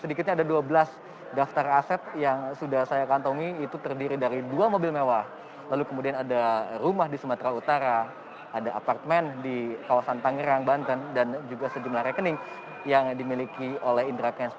sedikitnya ada dua belas daftar aset yang sudah saya kantongi itu terdiri dari dua mobil mewah lalu kemudian ada rumah di sumatera utara ada apartemen di kawasan tangerang banten dan juga sejumlah rekening yang dimiliki oleh indra kents